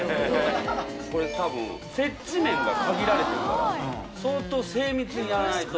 これ多分接地面が限られてるから相当精密にやらないと。